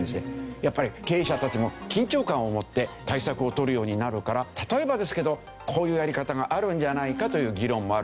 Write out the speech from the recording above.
やっぱり経営者たちも緊張感を持って対策を取るようになるから例えばですけどこういうやり方があるんじゃないかという議論もある。